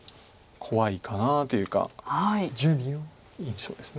怖いかなというか印象です。